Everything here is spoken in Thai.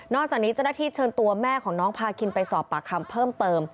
จากนี้เจ้าหน้าที่เชิญตัวแม่ของน้องพาคินไปสอบปากคำเพิ่มเติม